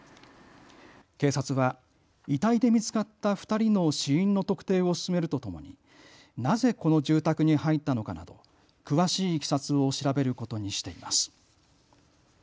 警察は遺体で見つかった２人の死因の特定を進めるとともになぜこの住宅に入ったのかなど詳しいいきさつを調べることにしています。